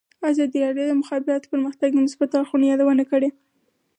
ازادي راډیو د د مخابراتو پرمختګ د مثبتو اړخونو یادونه کړې.